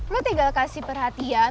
lu tinggal kasih perhatian